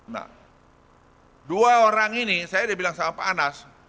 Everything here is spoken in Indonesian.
nah dua orang ini saya udah bilang sama pak anas